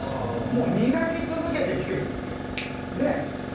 磨き続けてきてるんですよ。